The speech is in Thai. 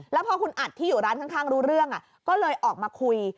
แล้วพอคุณอัดที่อยู่ร้านข้างรู้เรื่องก็เลยออกมาคุย